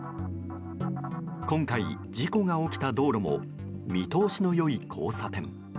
今回、事故が起きた道路も見通しの良い交差点。